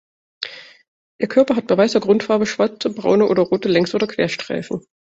Ihr Körper hat bei weißer Grundfarbe schwarze, braune oder rote Längs- oder Querstreifen.